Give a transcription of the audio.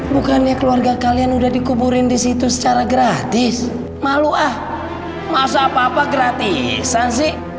bukannya keluarga kalian udah dikuburin disitu secara gratis malu ah masa apa apa gratisan sih